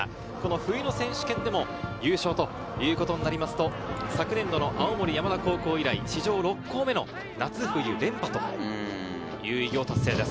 冬の選手権でも優勝ということになりますと、昨年度の青森山田高校以来、史上６校目の夏冬連覇という偉業を達成です。